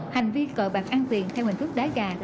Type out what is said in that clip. hành vi cờ bạc ăn tiền theo hình thức đá gà